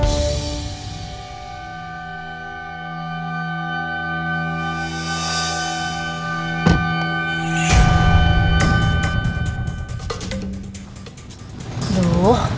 darata prestige ya sih gila